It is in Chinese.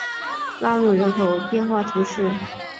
拉穆人口变化图示